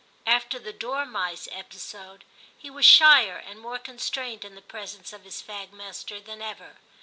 After the dormice episode he was shyer and more constrained in the presence of his fag master than ever.